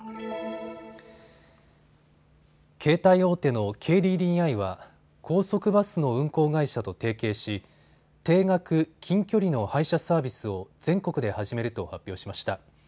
携帯大手のＫＤＤＩは高速バスの運行会社と提携し定額・近距離の配車サービスを全国で始めると発表しました。